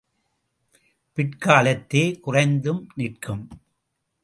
பிற்காலத்தே குறைந்தும் நிற்கும்.